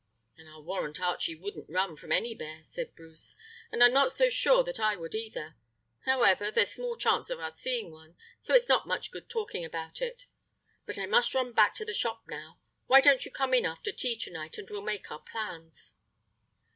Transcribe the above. "I'll warrant Archie wouldn't run from any bear," said Bruce, "and I'm not so sure that I would either. However, there's small chance of our seeing one, so it's not much good talking about it. But I must run back to the shop now. Won't you come in after tea to night, and we'll make our plans?"